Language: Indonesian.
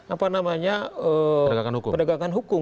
apa namanya pedagangan hukum